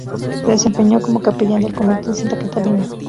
Se desempeñó como capellán del Convento de Santa Catalina.